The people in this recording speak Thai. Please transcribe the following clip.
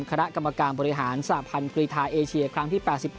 คณะกรรมการบริหารสหพันธ์กรีธาเอเชียครั้งที่๘๑